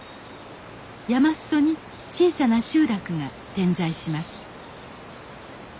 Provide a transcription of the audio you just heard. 山裾に小さな集落が点在します。